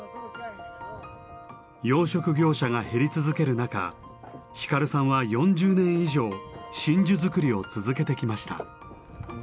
養殖業者が減り続ける中光さんは４０年以上真珠作りを続けてきました。